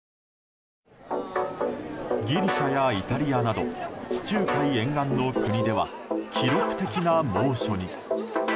ギリシャやイタリアなど地中海沿岸の国では記録的な猛暑に。